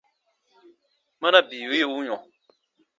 Mana bii wi u yɔ̃ ?